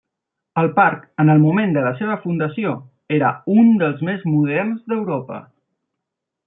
El parc, en el moment de la seva fundació, era un dels més moderns d'Europa.